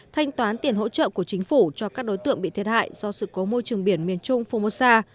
thanh toán tiền hỗ trợ của chính phủ cho các đối tượng bị thiệt hại do sự cố môi trường biển miền trung fumosa